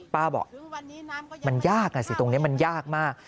ป้าบอกมันยากอ่ะสิตรงนี้มันยากมาก